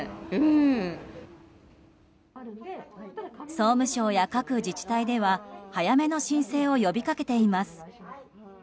総務省や各自治体では早めの申請を呼び掛けています。